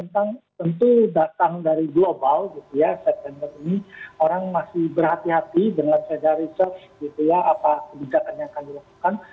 tentu datang dari global gitu ya september ini orang masih berhati hati dalam sekedar research gitu ya apa kebijakan yang akan dilakukan